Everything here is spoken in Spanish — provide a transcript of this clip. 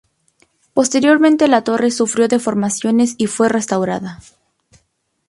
Posteriormente la torre sufrió deformaciones y fue restaurada.